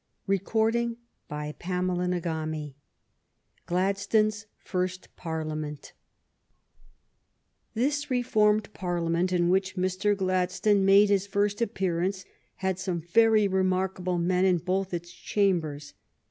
CHAPTER IV Gladstone's first parliament This Reformed Parliament, in which Mr. Glad stone made his first appearance, had some very remarkable men in both its chambers.